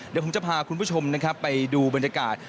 เดี๋ยวผมจะพาคุณผู้ชมนะครับไปดูบรรยากาศ